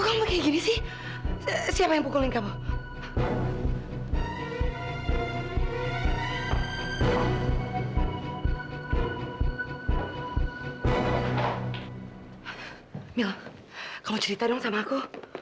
mil kamu cerita dong sama aku